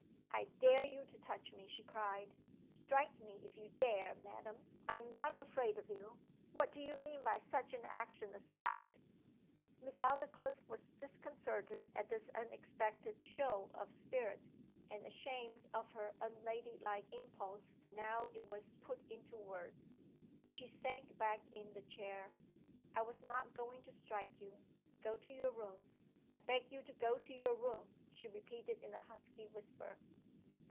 'I dare you to touch me!' she cried. 'Strike me if you dare, madam! I am not afraid of you what do you mean by such an action as that?' Miss Aldclyffe was disconcerted at this unexpected show of spirit, and ashamed of her unladylike impulse now it was put into words. She sank back in the chair. 'I was not going to strike you go to your room I beg you to go to your room!' she repeated in a husky whisper.